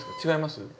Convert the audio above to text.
違います？